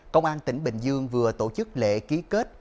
công an tỉnh bình dương vừa tổ chức lễ ký kết